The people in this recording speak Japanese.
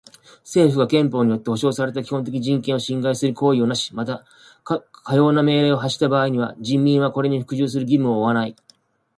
政府が憲法によって保障された基本的人権を侵害する行為をなし、またかような命令を発した場合は人民はこれに服従する義務を負わない。